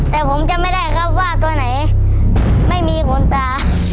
แต่ผมจำไม่ได้ครับว่าตัวไหนไม่มีขนตา